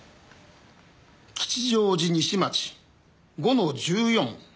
吉祥寺西町５の１４。